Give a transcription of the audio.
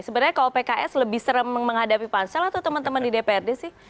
sebenarnya kalau pks lebih serem menghadapi pansel atau teman teman di dprd sih